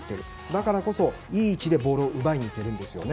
だからこそ、いい位置でボールを奪いに行けるんです。